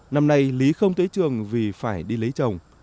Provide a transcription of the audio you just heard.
năm nay lý không tới trường vì phải đi lấy chồng